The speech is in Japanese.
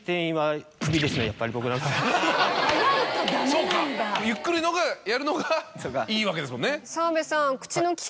そうかゆっくりやるのがいいわけですもんね。